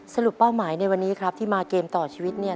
เป้าหมายในวันนี้ครับที่มาเกมต่อชีวิตเนี่ย